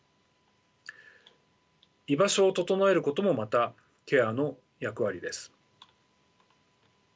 居場所を整えることもまたケアの役割です。